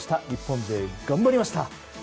日本勢、頑張りました。